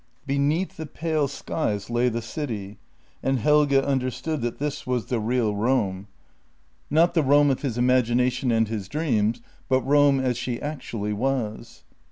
Beneath the pale skies lay the city, and Helge understood that this was the real Rome — not the 9 a r q /? 9 G o C ■&& 10 JENNY Rome of his imagination and his dreams, but Rome as she actually was.